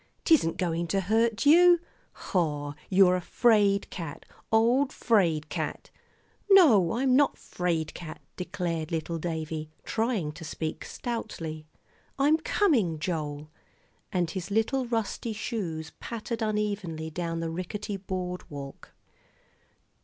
"'Tisn't going to hurt you. Hoh! you're a 'fraid cat old 'fraid cat!" "No, I'm not 'fraid cat," declared little Davie, trying to speak stoutly; "I'm coming, Joel," and his little rusty shoes pattered unevenly down the rickety board walk.